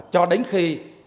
cho đến khi